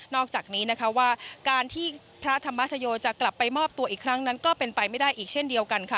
อกจากนี้นะคะว่าการที่พระธรรมชโยจะกลับไปมอบตัวอีกครั้งนั้นก็เป็นไปไม่ได้อีกเช่นเดียวกันค่ะ